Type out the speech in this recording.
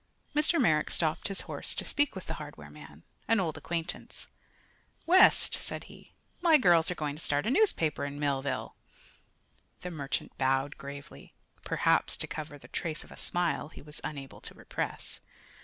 Mr. Merrick stopped his horse to speak with the hardware man, an old acquaintance. "West," said he, "my girls are going to start a newspaper in Millville." The merchant bowed gravely, perhaps to cover the trace of a smile he was unable to repress.